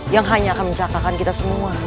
yang hanya akan mencatakan kita semua